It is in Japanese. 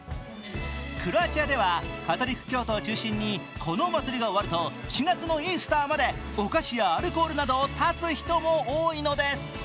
クロアチアではカトリック教徒を中心に、このお祭りが終わると４月のイースターまでお菓子やアルコールなどを断つ人が多いのです。